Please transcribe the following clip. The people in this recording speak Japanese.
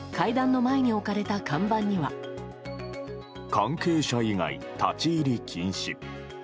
関係者以外立ち入り禁止。